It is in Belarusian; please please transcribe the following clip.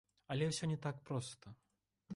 Але ўсё не так проста.